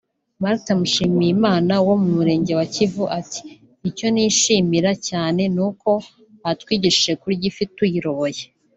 Martha Mushimiyimana wo mu Murenge wa Kivu ati “Icyo nishimira cyane nuko batwigishije kurya ifi tuyiroboye